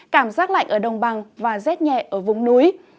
cảm giác lạnh ở đồng bằng và rét nhẹ ở vùng núi